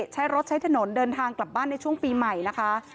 ใช้รถใช้ถนนเดินทางกลับบ้านในช่วงปีใหม่นะคะ